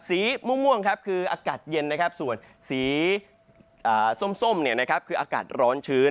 สีม่วงครับคืออากาศเย็นนะครับส่วนสีส้มคืออากาศร้อนชื้น